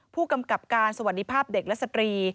ผู้กำกับการสวัสดีภาพเด็กและสตรี